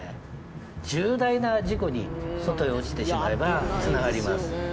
重大な事故に外へ落ちてしまえばつながります。